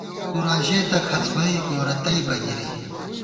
پُراں ژېتہ کھڅ بئ ، گورَہ تئیبہ گِری